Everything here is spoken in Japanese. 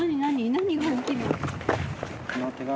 何が起きるの？